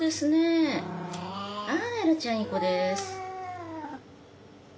ああエラちゃんいい子です。